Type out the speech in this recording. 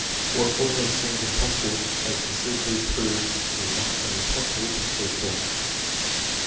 What formerly seemed impossible may conceivably prove to be not only possible, but feasible.